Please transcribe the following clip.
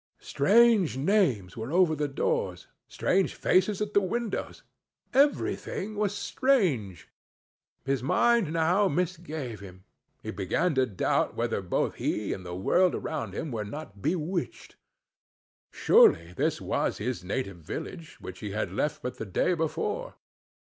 Strange names were over the doors—strange faces at the windows—every thing was strange. His mind now misgave him; he began to doubt whether both he and the world around him were not bewitched. Surely this was his native village, which he had left but the day before.